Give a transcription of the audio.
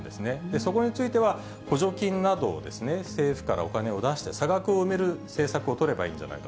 そこについては、補助金などを政府からお金を出して、差額を埋める政策を取ればいいんじゃないか。